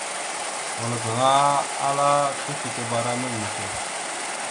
Wal gaŋa ala : tifekeberánaɗ neke.